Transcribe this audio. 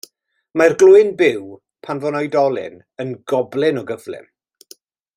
Mae'r glöyn byw, pan fo'n oedolyn yn goblyn o gyflym.